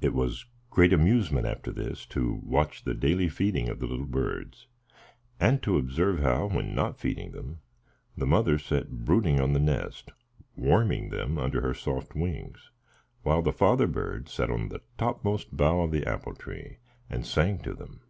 It was great amusement, after this, to watch the daily feeding of the little birds, and to observe how, when not feeding them, the mother sat brooding on the nest, warming them under her soft wings, while the father bird sat on the topmost bough of the apple tree and sang to them.